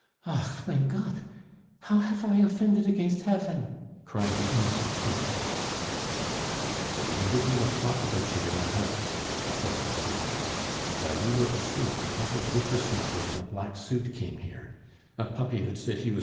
"Ach, mein Gott! how haf I offended against Hefn?" cried the innocent Schmucke. "There is a good deal of talk about you in the house," said La Sauvage. "While you were asleep, a little whipper snapper in a black suit came here, a puppy that said he was M.